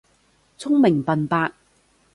聰明笨伯